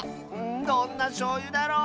どんなしょうゆだろう。